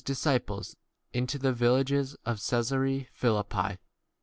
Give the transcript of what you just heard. disciples, into the villages of Caesarea Philippi.